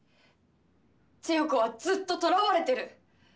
千世子はずっと捕らわれてる。